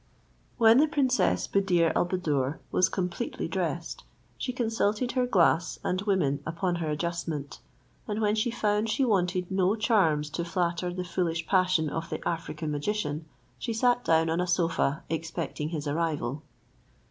When the princess Buddir al Buddoor was completely dressed, she consulted her glass and women upon her adjustment; and when she found she wanted no charms to flatter the foolish passion of the African magician, she sat down on a sofa expecting his arrival.